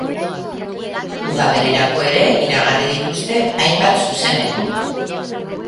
Udaberrirako ere iragarri dituzte hainbat zuzeneko.